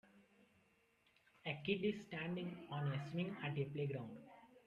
A kid is standing on a swing at a playground.